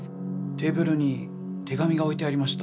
テーブルに手紙が置いてありました。